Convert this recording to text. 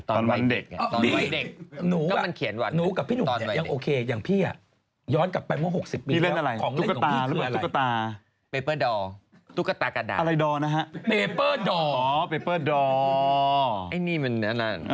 ตอนวันเด็กตอนวันเด็กก็มันเขียนวันเด็กตอนวันเด็กหนูกับพี่หนูเนี่ยยังโอเค